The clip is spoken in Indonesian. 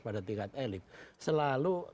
pada tingkat elit selalu